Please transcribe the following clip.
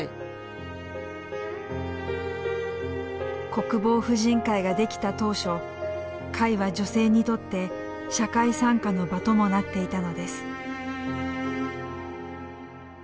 国防婦人会が出来た当初会は女性にとって社会参加の場ともなっていたのです。